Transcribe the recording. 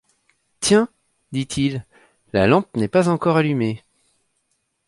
Tiens! dit-il, la lampe n’est pas encore allumée.